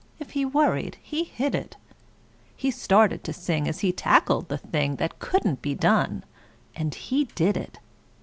If he worried he hid it. He started to sing as he tackled the thing That couldn't be done, and he did it.